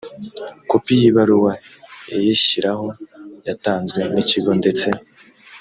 kopi y ibaruwa iyishyiraho yatanzwe n ikigo ndetse